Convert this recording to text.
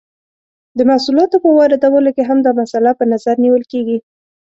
د محصولاتو په واردولو کې هم دا مسئله په نظر نیول کیږي.